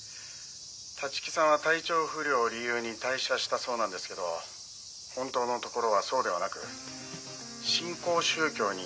立木さんは体調不良を理由に退社したそうなんですけど本当のところはそうではなく新興宗教に入信したという噂があったらしいんです」